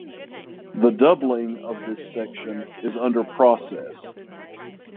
The doubling of this section is under process.